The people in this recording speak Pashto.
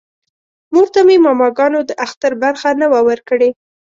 مور ته مې ماماګانو د اختر برخه نه وه ورکړې